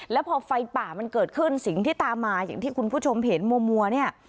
แล้วพอไฟป่ามันเกิดขึ้นสิ่งที่ตามมาอย่างที่คุณผู้ชมเห็นมัวเนี่ย